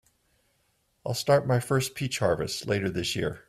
I'll start my first peach harvest later this year.